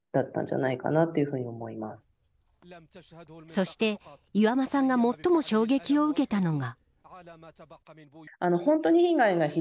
そして、岩間さんが最も衝撃を受けたのが。